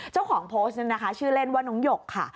เจ้าของโพสต์นั้นนะคะชื่อเล่นว่าน้องหยกค่ะ